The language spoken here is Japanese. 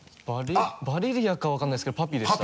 ヴァレリアか分からないですけどパピでした。